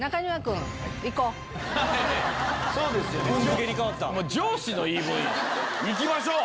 そうですよ。いきましょう。